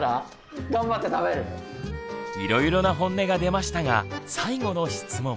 いろいろなホンネが出ましたが最後の質問。